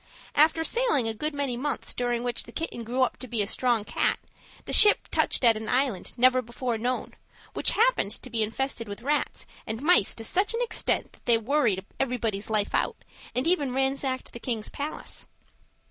After sailing a good many months, during which the kitten grew up to be a strong cat, the ship touched at an island never before known, which happened to be infested with rats and mice to such an extent that they worried everybody's life out, and even ransacked the king's palace.